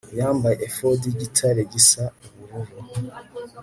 yambaye efodi y igitare gisa ubururu